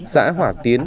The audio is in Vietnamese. xã hỏa tiến